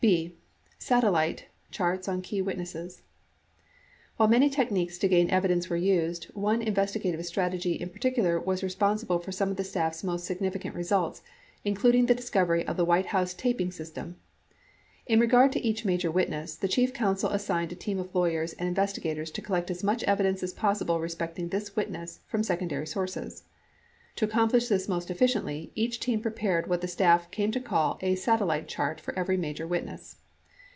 B. "Satellite" Charts on Key Witnesses While many techniques to gain evidence were used, one investiga tive strategy in particular was responsible for some of the staff's most significant results, including the discovery of the White House taping system. In regard to each major witness, the chief counsel assigned a team of lawyers and investigators to collect as much evidence as pos sible respecting this witness from secondary sources. To accomplish this most efficiently, each team prepared what the staff came to call a "satellite" chart for every major witness.